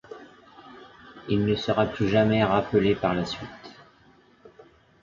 Il ne sera plus jamais rappelé par la suite.